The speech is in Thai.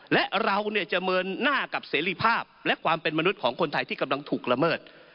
และเราจะเมินหน้ากับเสรีภาพและความเป็นมนุษย์ของคนไทยที่กำลังถูกละเมิด